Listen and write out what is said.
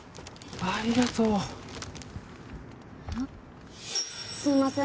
ありがとうあっすいません